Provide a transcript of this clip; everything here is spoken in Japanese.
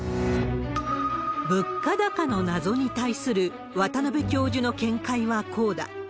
物価高の謎に対する渡辺教授の見解はこうだ。